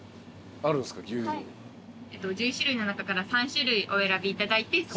１１種類の中から３種類お選びいただいて。